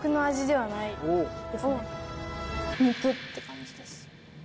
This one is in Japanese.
って感じです。